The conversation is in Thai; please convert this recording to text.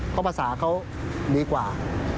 เพราะภาษาเขาดีกว่า